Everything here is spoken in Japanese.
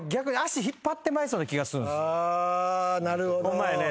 ホンマやね